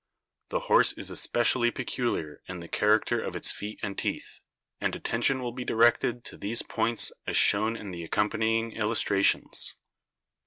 The horse is especially peculiar in the character of its feet and teeth, and attention will be directed to these points as shown in the accompanying il lustrations.